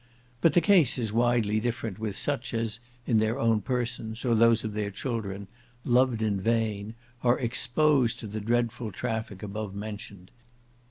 But the case is widely different with such as, in their own persons, or those of their children, "loved in vain," are exposed to the dreadful traffic above mentioned.